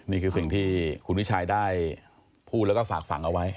นี่คือสิ่งที่คุณวิชัยได้พูดแล้วก็ฝากฝังเอาไว้